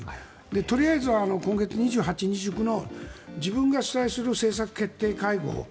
とりあえず、今月２８日自分が主催する政策決定会合。